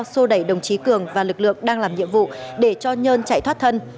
xô đẩy đồng chí cường và lực lượng đang làm nhiệm vụ để cho nhơn chạy thoát thân